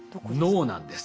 脳なんです。